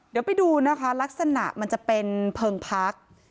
เดี๋ยวไปดูนะคะลักษณะมันจะเป็นเพลิงพัก